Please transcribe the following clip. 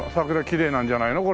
きれいなんじゃないの？